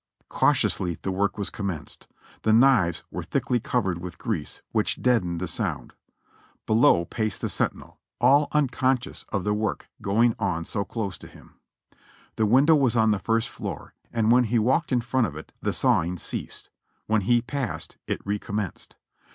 Cautiously the work was commenced ; the knives were thickly covered with grease, which deadened the sound. Below paced the sentinel, all unconscious of the work going on so close to hin^ The window was on the first fioor, and when he walked in front of it the sawing ceased ; when he passed it recommenced.